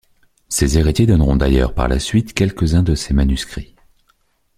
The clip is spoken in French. Ses héritiers donneront d'ailleurs par la suite quelques-uns de ses manuscrits.